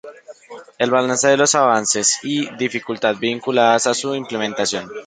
El balance de los avances y las dificultades vinculados a su implementación.